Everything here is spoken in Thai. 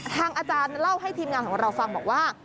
อาจารย์เล่าให้ทีมงานของเราฟังบอกว่า